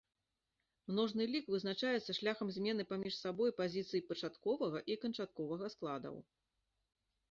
Множны лік вызначаецца шляхам змены паміж сабой пазіцый пачатковага і канчатковага складаў.